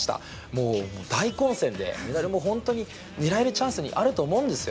もう大混戦で、メダルも本当に狙えるチャンスにあると思うんです。